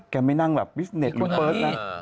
แกไม่นั่งแบบบิศเน็ตหรือเปิ้ลนะ